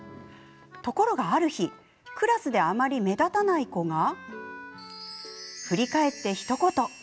ところが、ある日クラスであまり目立たない子が振り返ってひと言。